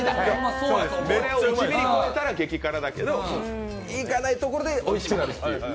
これをギリ超えたら激辛だけど、いかないところですごいおいしくなるという。